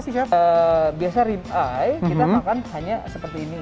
biasanya rim eye kita makan hanya seperti ini